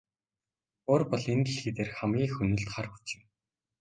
Уур бол энэ дэлхий дээрх хамгийн их хөнөөлт хар хүч юм.